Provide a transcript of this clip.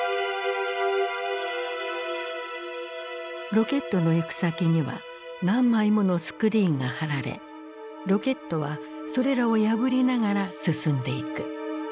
ロケットの行く先には何枚ものスクリーンが張られロケットはそれらを破りながら進んでいく。